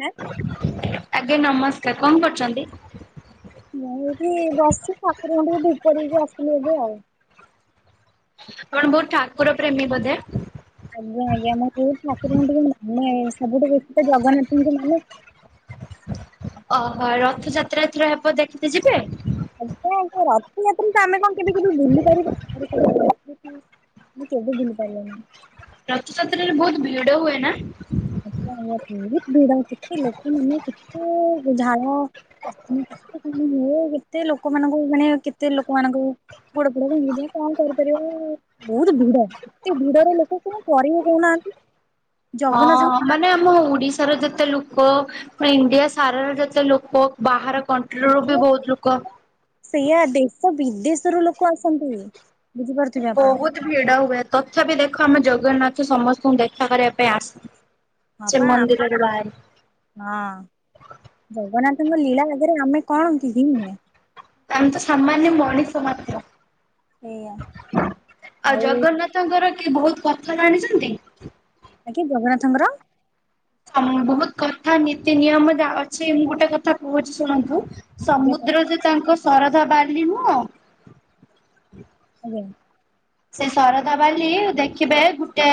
ଆଁ ଆଜ୍ଞା ନମସ୍କାର କଣ କରୁଛନ୍ତି? ମୁଁ ଏଠି ବସିଛି ଠାକୁରଙ୍କ ଟ ଭପରିକି ଆସିଲୁ ଏବେ ଆଉ। କଣ ବହୁ ଠାକୁର ପ୍ରେମୀ ବୋଧେ। ଆଜ୍ଞା ଆଜ୍ଞା ମୁଁ ବହୁତ୍ ଠକୁ ଟେ ମାନେ ସବୁଠୁ ବେଶୀ ତ ଜଗନ୍ନାଥଙ୍କୁ ମାନେ। ଓହୋ ରଥଯାତ୍ରା ଏଥରେ ହେବ ଦେଖତେ ଯିବେ? ଆଜ୍ଞା ଅତେ ରଥଯାତ୍ରା ତ ଆମେ କଣ କେବେ କେ ଭୁଲି ପାରିବା ଆ କେବେ ଭୁଲି ପାରିବନି। ରଥଯାତ୍ରରେ ବହୁତ ଭିଡ ହୁଏ ନା। ଆା ଆଜା ବହୁତ ଭିଡ କେତେ ଲୋକମାନେ କେତେ ଝାଳ ହୁଏ କେତେ ଲୋକମାନାନଙ୍କୁ ମାନେ କେତେ ଲୋକ ମଙ୍କୁ ପୋଡୋଡ ହ କଣ କରିପାରିବା ବହୁତ ଭିଡ ଏତେ ଭିଡର ଲୋକ କଣ ସରିବ କହୁନାହାନ୍ତି। ଜଗନ୍ନାଥଙ୍କୁ ହଁ ମାନେ ଆମ ଓଡ଼ିଶାର ଯେତେ ଲୋକ ପ ଇଣ୍ଡିଆ ସାରର ଯେତେ ଲୋକ ବାହାର କଣ୍ଟ୍ରି ରୁ ବି ବହୁତ ଲୋକ ସେଇଆା ଦେଶ ବିଦେଶରୁ ଲୋକ ଆସନ୍ତି ବୁଝିପାରୁଥିବେ ଆପଣ। ବହୁତ ଭିଡ ହୁଏ ତଥାପି ଦେଖ ଆମେ ଜ ଜଗନ୍ନାଥ ସମସ୍ତଙ୍କୁ ଦେଖା କରିବା ପାଇଁ ଆସ ହଁ ପା ହଁ ଜଗନ୍ନାଥ ତମ ଲୀଳା ଆଗରେ ଆମେ କଣ ହ ନୁହ୍ନେ। ଆମେ ତ ସାମାନ୍ୟ ମଣିଷ ମାତ୍ର। ସେଇଆ ଆଉ ଜଗନ୍ନାଥଙ୍କର ବହୁତ କଥା ଜାଣିଛନ୍ତି? ଆଜ୍ଞ୍ୟା ଜଗନ୍ନାଥଙ୍କର? ହ ବହୁତ କଥା ନୀତି ନିୟମ ଯ ଅଛି ମୁଁ ଗୋଟେ କଥା କହୁଛି ଶୁଣନ୍ତୁ। ଆଜ୍ଞା ସମୁଦ୍ର ଯେ ତାଙ୍କ। ଶରଧା ବାଲି ନୁଃ। [inaudible] ସେ ଶରଧା ବାଲି ଦେଖିବେ ଗୋଟେ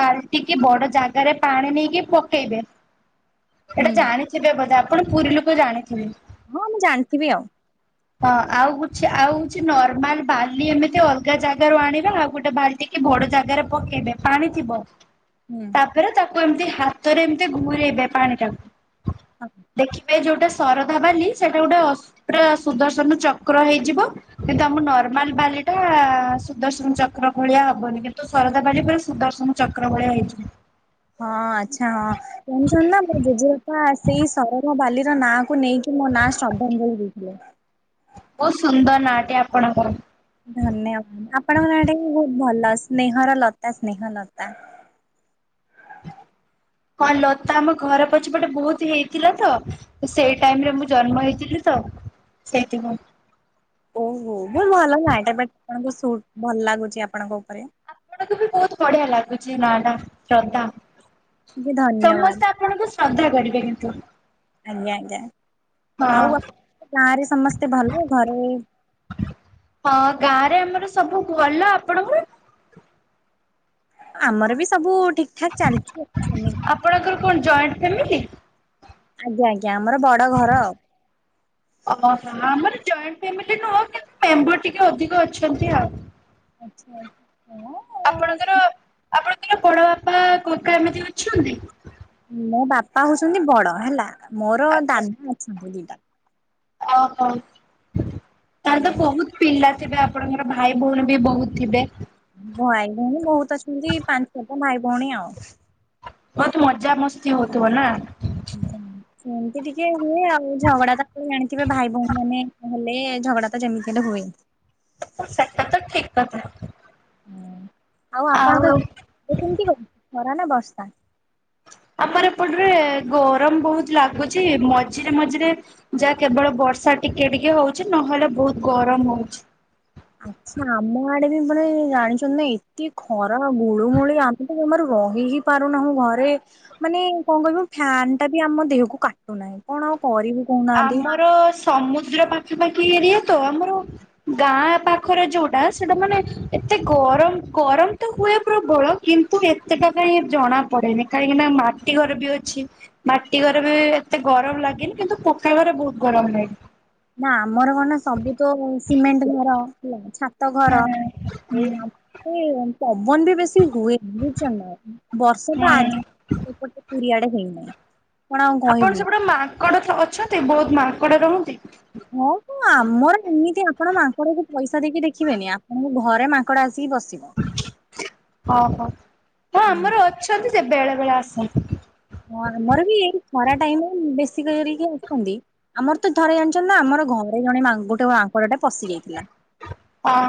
ବାଲ୍ଟି କି ବଡ ଜାଗାରେ ପାଣି ନେଇକି ପକେଇବେ ଏଟା ହୁଁ ଜାଣିଛେ ବଧେ ଆ ଆପଣ ପୁରୀ ଲୋକ ଜାଣିଥିବେ? ହଁ ମୁଁ ଜାଣିଥିବି ଆଉ। ହଁ ଆଉଛି ଆଉ ହଛି ନର୍ମାଲ ବାଲି ଏମିତି ଅଲଗା ଜାଗାରୁ ଆଣିବେ ଆଉ ଗୋଟେ ବାଲଟିେ ବଡ ଜାଗାରେ ପକେଇବେ ପାଣି ଥିବ। ହୁଁ। ତାପରେ ତାପ ଏମିତି ହାତରେ ଏମିତି ଘୁରେଇବେ ପାଣି ଟାକୁ ଦେଖିବେ ଯୋଉଠି ଗୋଟେ ଶରଧା ବାଲି ସେଇଟା ଗୋଟେ ଅସ୍ତ୍ର। ସୁଦର୍ଶନ ଚକ୍ର ହେଇଯିବ କିନ୍ତୁ ଆମ ନର୍ମାଲ ବାଲି ଟା ସୁଦର୍ଶନ ଚକ୍ର ଭଳିଆ ହବନି କିନ୍ତୁ ଶରଦା ବାଲି ପୁରା ସୁଦର୍ଶନ ଚକ୍ର ଭଳିଆ ହେଇଯିବ। ହଁ ଆଛା ହଁ ଜଣିଛ ନା ମୋ ଜେଜେବାପା ସେଇ ସହରର ବାଲି। ନାଁ କ ନେଇକି ମୋ ନାଁ ଶ୍ରଦ୍ଧାଞ୍ଜଳି ଦେଇଥିଲେ। ବହୁତ ସୁନ୍ଦର ନାଟେ ଆପଣଙ୍କର। ଧନ୍ୟବାଦ ଆପଣଙ୍କ ନାଁ ଟା ବି ବହୁତ ଭଲ ସ୍ନେହର ଲତା ସ୍ନେହ ଲତା। ହଁ ଲତା ଆମ ଘର ପଛପଟେ ବହୁତ ହେଇଥିଲା ତ ସେଇ ଟାଇମରେ ମୁଁ ଜନ୍ମ ହେଇଥିଲି ତ ସେଇଥିପାଇଁ। ଓହୋ ବ ଭଲ ନାଁ ବଟ ଆପଣଙ୍କୁ ଭଲ ଲାଗୁଛି ଆପଣଙ୍କ ଉପରେ। ଆପଣଙ୍କୁ ବି ବହୁତ ବଢିଆ ଲାଗୁଛି ନାଟା। ଶ୍ରଦ୍ଧା ଧନ୍ୟବାଦ। ସମସ୍ତେ ଆପଣଙ୍କୁ। [inaudible] କିିନ୍ତୁ। ଆଜ୍ଞା ଆଜ୍ଞା। ଆଉ [unintelligible] ଗାଁରେ ସମସ୍ତେ ଭଲ ଘରେ। ଆରେ ଆମର ସବୁ ଭଲ ଆପଣଙ୍କର? ଆମର ବି ସବୁ। ଠିକ ଠାକ ଚାଲିଛି। ଆପଣଙ୍କର କଣ ଜଏଣ୍ଟ ଫ୍ୟାମିଲି? ଆଜ୍ଞା ଆଜ୍ଞା। ଆଜ୍ଞା ଆମର ବଡ ଘର ଆଉ। ଫାମିଲି ନୁହଁ [unintelligible] କିନ୍ତୁ ମେମ୍ବର ଟିକେ ଅଧିକ ଅଛନ୍ତି ଆଉ। ଆଚ୍ଛା। ଆପଣଙ୍କର ଆଚ୍ଛା। ଆପଣଙ୍କର ବଡ ବାପା କକା ଏମିତି ଅଛନ୍ତି। ମୋ ବାପା ହଉଛନ୍ତି ବଡ ହେଲା। ମୋର ଦାଦା ଅଛନ୍ତି ଦି ଟା। ଓହୋ। ତାର ତ ଆଜ୍ଞା ବହୁତ ପିଲା। ଥିବେ ଆପଣଙ୍କର ଭାଇ ଭଉଣୀ ବି ବହୁତ ଥିବେ। ଭାଇ ଭଉଣୀ ବହୁତ ଅଛନ୍ତି। ପାଞ୍ଚ ଛଅଟା ଭାଇ ଭଉଣୀ ଆଉ। ବହୁତ ମଜା ମସ୍ତି ହଉଥିବ ନା। ସେମିତି ଟିକେ। ହଁ [unintelligible] ଆଉ ଝଗଡା ତା ଜାଣିଥିବେ ଭାଇ ଭଉଣୀ ମାନେ। ହେଲେ ଝଗଡା ତ ଯେମିତି ହେଲେ ହୁଏ। ସେଟା ତ ଠିକ କଥା। ଆଉ ଆପଣଙ୍କ କେମତି କହୁଛି [unintelligible] ଖରା ନା ବର୍ଷା। ଆମର ଏପଟରେ ଗରମ ବହୁତ ଲାଗୁଚି। ମଝିରେ ମଝିରେ ଯା କେବଳ ବର୍ଷା ଟିକେ ଟିକେ ହଉଛି। ନହେଲେ ବହୁତ ଗରମ ହଉଛି। ଆଚ୍ଛା। ମୋ ଆଡେ ବି ମାନେ ଜାଣିଛନ୍ତି ନା ଏତେ ଖରା ଗୁଳୁଗୁଳି ଆମେ ତ ଜମାରୁ ରହି ହି ପାରୁନାହୁଁ ଘରେ। ମାନେ କଣ କହିବୁ ଫ୍ୟାନ ଟା ବି ଆମ ଦେହକୁ କାଟୁନାହିଁ କଣ ଆଉ କରିବୁ କହୁନାହାନ୍ତି ଆମର ସମୁଦ୍ର ପାଖାପାଖି। ଏରିଆ ତ ଆମର ଗାଁ ପାଖରେ ଯୋଉଟା ସେଟା ମାନେ ଏତେ ଗରମ ଗରମ ତ ହୁଏ ପ୍ରବଳ। କିନ୍ତୁ, ଏତେଟା ପାଇଁ ଜଣା ପଡେନି କାହିଁକିନା ମାଟି ଘର ବି ଅଛି ମାଟି ଘର ବି ଏତେ ଗରମ ଲାଗେନି।, କିନ୍ତୁ ଖାଇବାରେ ବହୁତ ଗରମ ଲାଗ। ନା ଆମର କଣ ସବୁ ତ ସିମେଣ୍ଟ ଘର। ହେଛ [unintelligible] ଛାତ ଘର ହୁଁ [unintelligible] ପବନ ବି ବେଶୀ ହୁଏନା ବୁଝୁଛନା ବର୍ଷଟା ଆଜି ହୁଁ। ଏପଟେ ପୁରୀ ଆଡେ ହେଇନି। ଆପଣ ସେପଟେ ମାଙ୍କଡ ଅଛନ୍ତି ବହୁତ। ମାଙ୍କଡ ରୁହନ୍ତି। ହଁ ତ ଆମର ଏମିତି ଆପଣ ମାଙ୍କଡକୁ ପଇସା ଦେଇକି ଦେଖିବେନି ଆପଣଙ୍କ ଘରେ ମାଙ୍କଡ ଆସ ସି ବସିବ। ଓହୋ। ହଁ ଆମର ଅଛନ୍ତି। ସେ ବେଳେବେେଳେ ଆସନ୍ତି। ହଁ ଆମର ବି ଏଇ ଖରା ଟାଇମ ବେଶୀ କରିକି ଆସିନ୍ତି। ଆମର ତ ଥରେ ଜାଣିଛନ୍ତି ନା ଆମର ଘରେ ଜଣେ ଗୋଟେ ମାଙ୍କଡ଼ ଟେ ପଶି ଯାଇଥିଲା। ହଁ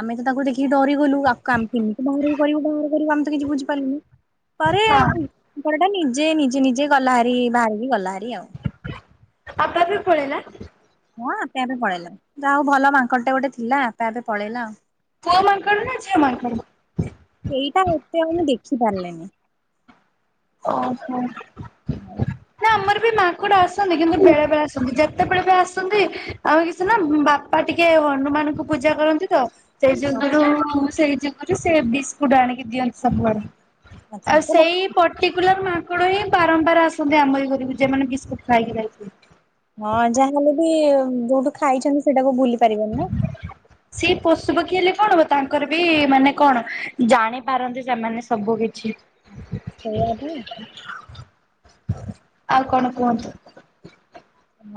ଆମେ ତ ତାକୁ ଦେଖି ଡରି ଗଲୁ କ [unintelligible] ଆମେ କେମିତି ବାହାରକୁ କରିବୁ ବାହାର କରିବୁ ଆମେ ସେ କିଛି ବୁଝିପାରିଲେନି। ପରେ ହଁ। [unintelligible] ନିଜେ ନିଜେ ନିଜେ ଗଲା ହରି ବାହାରିକି ଗଲା ଆପେ ଆପେ ପଳେଇଲା। ହଁ ଆପେ ଆପେ ପଳେଇଲା ଯାହା ହୋଉ ଭଲ ମାଙ୍କଡଟେ ଗୋଟେ ଥିଲା ଆପେ ଆପେ ପଳେଇଲା ଆଉ। ପୁଅ ମାଙ୍କଡ଼ ନା ଝିଅ ମାଙ୍କଡ। ଏଇଟା ଏତେ ଆଉ ଦେଖି ପାରିଲିନି। ଓଃହୋ ନା ଆମର ଏଇ ମାଙ୍କଡ଼ ଆ ଆସନ୍ତି କିନ୍ତୁ ବେଳେବେଳେ ଆସନ୍ତି କେତେବେଳେ ବି ଆସନ୍ତି ଆଉ କିଛି ନା ବାପା ଟିକେ ହନୁମାନଙ୍କୁ ପୂଜା କରନ୍ତି ତ। ସେଇ [inaudible] ସେଇ ଯୋଗୁରୁ ସେ ବିସ୍କୁଟ ଆଣିକି ଦିଅନ୍ତି ସବୁଆଡେ। [inaudible] ମାଙ୍କଡ ହିଁ ବାରମ୍ବାର ଆସନ୍ତି ଆମ ଏଇ ଘରକୁ ଯୋଉମାନେ ବିସ୍କୁଟ ଖାଇକି ଯାଇଥି ହଁ ଯାହାହେଲେ ବି ଯୋଉଠୁ ଖାଇଛନ୍ତି ସେଟାକୁ ଭୁଲି ପାରିବେନି ନା। ସେ ପଶୁପକ୍ଷୀ ହେଲେ କଣ ହବ ତାଙ୍କର ବି ମାନେ କଣ ଜାଣିପାରନ୍ତି ସେମାନେ ସବୁ କିଛି। ସେଇଆ ବି। ଆଉ କଣ କୁହନ୍ତୁ।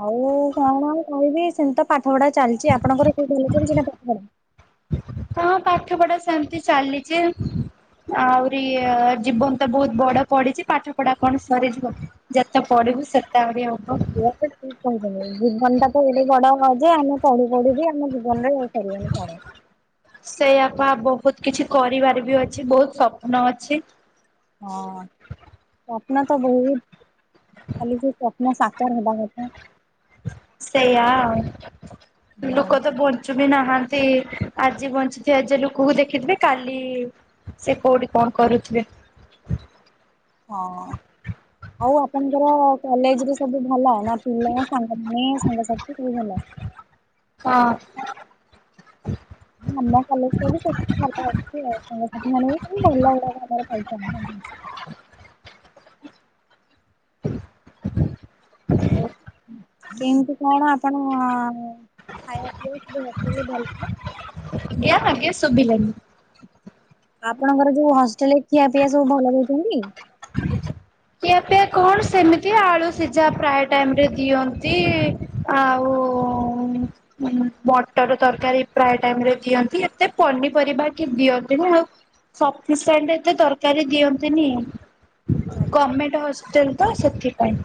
ଆଉ କଣ ଆଉ କହିବି ସେମିତି ତ ପାଠପଢା ଚାଲିଛି ଆପଣଙ୍କର ସେ ଯୋଉ ଚାଲିଛି ନା ପାଠ ପଢା। ହଁ ପାଠ ପଢା ସେମିତି ଚାଲିଛି ଆହୁରି ଜୀବନ ତ ବହୁତ ବଡ ପଡିଛି ପାଠ ପଢା କଣ ସରିଯିବ ଯେତେ ପଢିବୁ ସେତେ ଆହୁରି ହଉ ଏଇଆତ ଠିକ୍ କହିଛନ୍ତି ଜୀବନଟା ଏଠୁ ବଡ ହ ଯେ ଆମେ ପଢି ପଢି ବି ଆମ ଜୀବନରେ ଆ ସିବନି ସେଇଆପା ବହୁତ କିଛି କରିବାର ବି ଅଛି ବହୁତ ସ୍ୱପ୍ନ ଅଛି। ନା ତ ବହୁତ। ଖାଲି ଯୋଉ ନା ସାକାର ହେବା ଦରକାର। ସେଇଆ ଆଉ। ହୁଁ। ଲୋକ ତ ବଞ୍ଚି। ବି ନାହାନ୍ତି ଆଜି ବଞ୍ଚିଥିବେ ଆ ଯେ ଲୋକକୁ ଦେଖିଥିବେ କାଲି ସେ କୋଉଠି କଣ କରୁଥିବେ। ହଁ ଆଉ ଆପଣଙ୍କର କଲେଜ ର ସବୁ ଭଲ। ପିଲ ସାଙ୍ଗ ସାଙ୍ଗସାଥୀ ସବୁ ଭଲ। ହଁ ଆଜ୍ଞା ହଁ ଆମ କଲେଜରେ ବି ସେମିତି ଭଲ ଅଛି ଆଉ ହଁ। [inaudible] ହଉ ହୁଁ। କେମିତି କଣ ଆପଣ ଖାଇବା ପିଇବା ଦେହ ସବୁ ଭଲ ତ। ଆଜ୍ଞା ଆଜ୍ଞା ସୁଭି ଲନି। ଆପଣଙ୍କର ଯୋଉ ହଷ୍ଟେଲରେ ଖିଆ ପିଇଆ ସବୁ ଭଲ ଦେଉଛନ୍ତି। ଖିଆ ପିଆ କଣ ସେମିତି ଆଳୁ ସିଝା ପ୍ରାୟ ଟାଇମ ରେ ଦିଅନ୍ତି ଆଉ ମଟର ତରକାରୀ ପ୍ରାୟ ଟାଇମରେ ଦିଅନ୍ତି ଏତେ ପନିପରିବା କି ଦିଅନ୍ତିନି ଆଉ ସିଣ୍ଟ ଏତେ ତରକାରୀ ଦିଅନ୍ତିନି। Government hospital. ତ ସେଥି ପାଇଁ।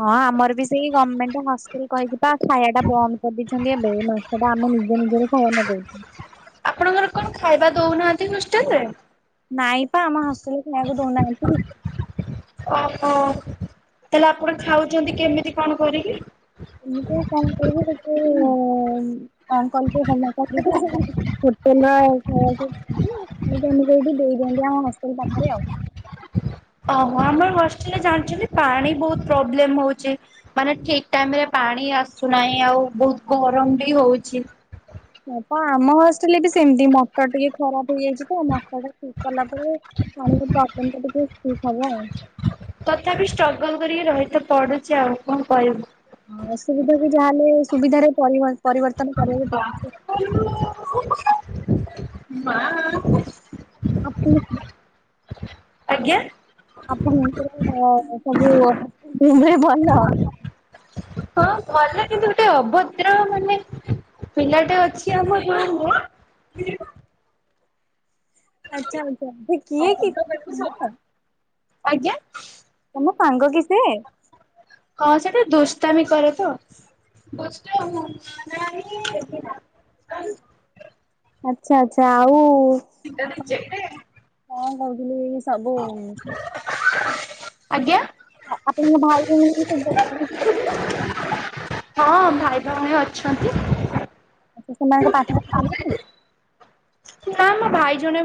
ହଁ ଆମର ବି ସେଇ ଗଭଣମେଣ୍ଟ ହଷ୍ଟେଲ କହି। ତା ଛାୟା ଟା ବନ୍ଦ କରିଦେଇଛନ୍ତି। ମେ ମାସ ଟା ଆମେ ନିଜ ନିଜରେ ପାଳନ କରୁଛୁ। ଆପଣଙ୍କର କଣ ଖାଇବା ଦଉନାହାନ୍ତି ହୋଷ୍ଟେଲ ରେ। ନାଇଁ ପା ଆମ ହଷ୍ଟେଲ। ନଇବେ ଦେଉନାହାନ୍ତି। ଓହୋ ତାହେଲେ ଆପଣ ଖାଉଛନ୍ତି କେମିତି କଣ କରିକି? ଏମିତିଆଉ କଣ କରିବୁ କେତେ। [unintelligible] ଦେଇଦିଅନ୍ତି ଆମ ହଷ୍ଟେଲ ପାଖରେ। ହ ଆମର ବସିରେ ଜାଣିଛନ୍ତି ପାଣି ବହୁତ ପ୍ରୋବ୍ଲେମ ହଉଛି ମାନେ ଠିକ ଟାଇମ ରେ ପାଣି ଆସୁନାହିଁ ଆଉ ବହୁତ ଗରମ ବି ହଉଛି। ବାପା ଆମ ହଷ୍ଟେଲ ବି ସେମିତି ମଟ ଟିକେ ଖରାପ। ଇଯାଇଛି ତ ମସଲା ଟା ଠିକ କଲା ପରେ ପାଣିର ପ୍ରୋବ୍ଲେମା ଟିକେ ଠିକ ହବ ଆଉ। ରହିତ ପଡୁଛି ଆଉ କଣ କହିବୁ। ହଁ ଅସୁବିଧା କ ଯାହାେଲେ। ସୁବିଧାରେ। ପରିବ ପରିବର୍ତ୍ତନ କରିବାକୁ ପଡୁଛି। [inaudible] ମା। ଆପଣ। ଆଜ୍ଞା। ଆପଣଙ୍କୁ [unintelligible] ସବୁ [unintelligible] ହଁ ଭଲ କିନ୍ତୁ ଗୋଟେ ଅଭଦ୍ର ମାନେ ପିଲାଟେ ଅଛି ଆମ ଗାଁରେ ଆଚ୍ଛା ଆଚ୍ଛା ସେ କିଏ କି ଅଭଦ୍ର ତମ ତାକୁ ସଭା। ସାଙ୍ଗ? ଆଜ୍ଞା। ମୋ ସାଙ୍ଗ କି ସେ ହଁ ସେଇଠା ଦୁଷ୍ଟାମୀ କରେ ତ ଆଚ୍ଛା ଆଛା ଆଉ ଆପଣ କଣ କର [inaudible] ସବୁ ଆଜ୍ଞା। ଆପଣଙ୍କ ଭାଇ ଭଉଣି [inaudible] ହଁ ଭାଇ ଭଉଣୀ ଅଛନ୍ତି। ଆଛା ସେମାନଙ୍କ ପାଠ ପଢା ସରିଲାଣି? ନା ମୋ ଭାଇ ଜଣେ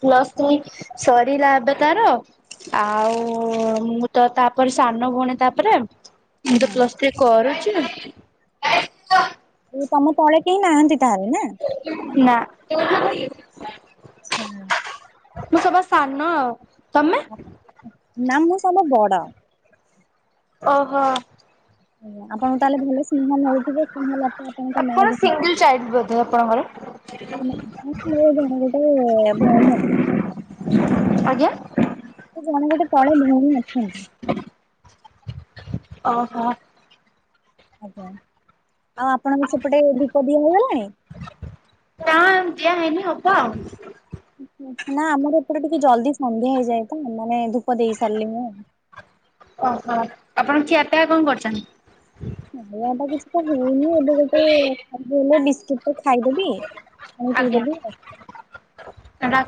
ପ୍ଲସ ଥ୍ରୀ ସରିଲା ଏବେ ତାର ଆଉ-ଉ-ଉ-ଉ ମୁଁ ତ ତାପରେ ସାନ ଭଉଣୀ ତାପରେ। ମୁଁ ପ୍ଲସ୍ ଥ୍ରୀ କରେ। [inaudible] ତମ ତଳେ କେହି ନାହାନ୍ତି ତାହେଲେ। ନା? ନା। ହୁଁ। ମୁଁ ସବା ସାନ। ଆଉ ତମେ? ନା ମୁଁ ସବା ବଡ଼। ଓହୋ। ଆପଣଙ୍କୁ ତାହେଲେ ଭଲ ସିଂଗନାଲ ମିଳୁଥିବ ସିଂଗନାଲ ଆପଣଙ୍କ ଆପଣ ନାଁ ଯ ସିଙ୍ଗଲ ଚାଇଲ୍ଡ ବୋଧେ ଆପଣଙ୍କର? ଜଣେ ଗୋଟେ ଭଉଣୀ ଆଜ୍ଞା ସେ ଜଣେ ଗୋଟେ ତଳେ ଭଉଣୀ ଅଛନ୍ତି। ଓହୋ। ଆଜ୍ଞା। ଆଉ ଆପଣଙ୍କ ସେପଟେ ଦୀପ ଦିଆ ହେଇଗଲାଣି? ନା ଦିଆ ହେଇନି ହବ ଆଉ। ଛା ନା ଆମର ଏପରେ ଟିକେ ଜଲଦି ସନ୍ଧ୍ୟା ହେଇଯାଏ ତ ମାନେ ଧୂପ ଦେଇ ସାରିଲେଣି। ଓହୋ ଆପଣ ଖିଆ ପିଆ କଣ କରୁଛନ୍ତି? ନଟା କିଛି ତ ହେଇନି ଏବେ ଗୋଟେ ଖାଲି ହେଲା ବି ଖାଇଦେବି ପାଣି ଆଜ୍ଞା ପିଇଦେବି ଆଉ।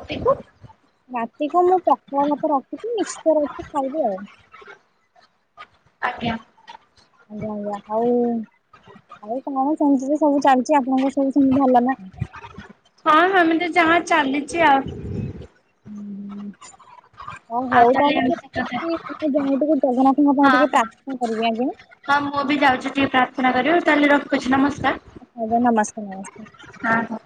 [unintelligible] ରାତିକ ମୁଁ ପଖାଳ ଭାତ ମିକ୍ସଚାର ଅଛି ଖାଇ ଵି ଆଉ। ଆଜ୍ଞା। ଆଜ୍ଞା ଆଜ୍ଞ ହଉ ଆଉ କଣ ସେତିରେ ସବୁ ଚାଲି। ଆପଣଙ୍କ ସବୁ ଭଲ। ହଁ ହଁ ଏମିତି ଯାହା ଚାଲିଛି ଆଉ। ହୁଁ। ଆଉ ହଉ ତାହେଲେ ମୁଁ ମୁଁ ଯାଇ ଟିକେ ଜଗନ୍ନାଥଙ୍କ ପାଇଁ ହଁ ଟିକେ ହଁ ପ୍ରାର୍ଥନା କରିବି ଆଜ୍ଞା। ତାେଲେ ରଖୁଛି ନାେ। ଞ ନମସ୍କାର ନମସ୍କାର। ହଁ ହଁ।